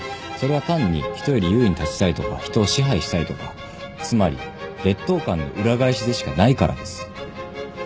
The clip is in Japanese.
それは単に人より優位に立ちたいとか人を支配したいとかつまり劣等感の裏返しでしかないからです。